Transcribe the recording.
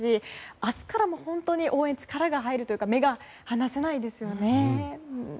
明日からも本当に応援に力が入るというか目が離せないですよね。